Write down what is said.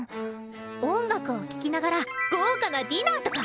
音楽を聴きながら豪華なディナーとか？